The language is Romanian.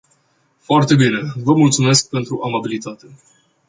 Foarte bine, vă mulțumesc pentru amabilitate.